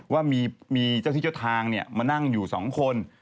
ว่ามีเจ้าที่เจ้าทางมานั่งอยู่๒คน